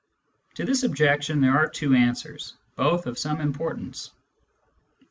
To this objection there are two answers, both of some importance.